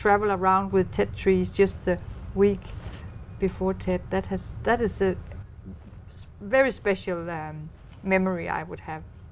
đó là một kinh nghiệm rất đặc biệt mà tôi sẽ nhớ